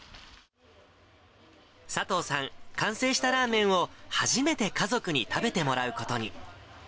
佐藤さん、完成したラーメンを初めて家族に食べてもらうことに。